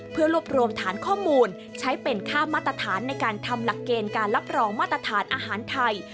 เพื่อรวบรวมฐานข้อมูลใช้เป็นค่ามาตรฐานในการทำหลักเกณฑ์การรับรองมาตรฐานอาหารไทย